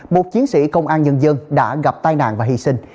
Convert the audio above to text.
một chiến sĩ công an nhân dân đã gặp tai nạn và hy sinh